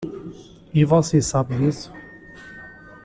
E você sabe disso.